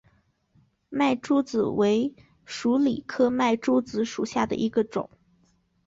麦珠子为鼠李科麦珠子属下的一个种。